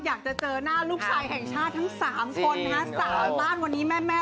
อยากจะเจอหน้าลูกชายแห่งชาติทั้ง๓คนนะฮะ๓บ้านวันนี้แม่